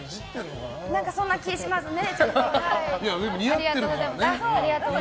そんな気しますね。